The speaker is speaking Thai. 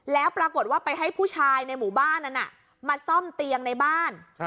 แล้วปรากฏว่าไปให้ผู้ชายในหมู่บ้านนั้นมาซ่อมเตียงในบ้าน